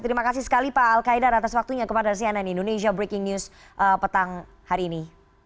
terima kasih sekali pak al qaidar atas waktunya kepada cnn indonesia breaking news petang hari ini